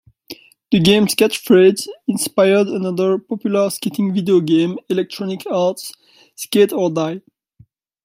The game's catchphrase inspired another popular skating video game, Electronic Arts' Skate or Die!